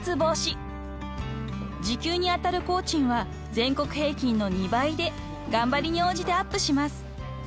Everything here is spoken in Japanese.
［時給に当たる工賃は全国平均の２倍で頑張りに応じてアップします］